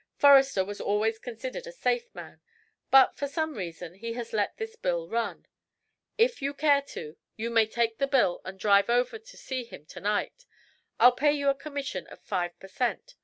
Forrester was always considered a safe man, but for some reason he has let this bill run. If you care to, you may take the bill and drive over to see him to night. I'll pay you a commission of five per cent.